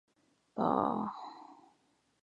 帕科蒂是巴西塞阿拉州的一个市镇。